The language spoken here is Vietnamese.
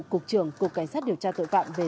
cục trưởng cục cảnh sát điều tra tội phạm về